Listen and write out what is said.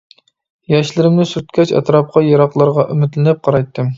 ياشلىرىمنى سۈرتكەچ ئەتراپقا، يىراقلارغا ئۈمىدلىنىپ قارايتتىم.